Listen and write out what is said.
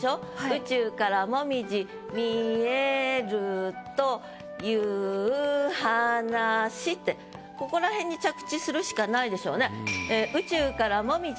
「宇宙から紅葉みえるといふ話」ってここらへんに着地するしかないでしょうね。